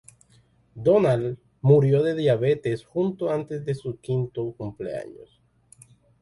Donald murió de diabetes justo antes de su quinto cumpleaños.